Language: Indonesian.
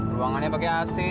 ruangannya pake ac